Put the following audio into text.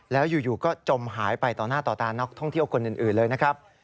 แล้วอยู่ก็จมหายไปต่อหน้าต่อตานักท่องเที่ยวคนอื่นเลยนะครับ